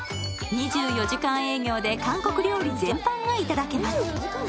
２４時間営業で韓国料理全般がいただけます。